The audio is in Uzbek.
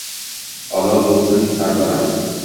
Olov bo’lsin sarbaland.